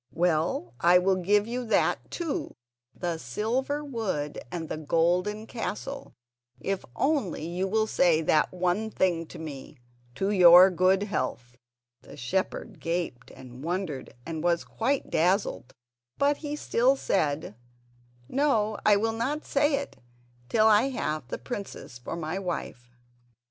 Well, I will give you that too, the silver wood and the golden castle, if only you will say that one thing to me: 'To your good health.'" The shepherd gaped and wondered and was quite dazzled, but he still said: "No; I will not say it till I have the princess for my wife."